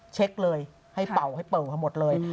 เช็คเลยให้เป่าให้เป่าให้หมดเลย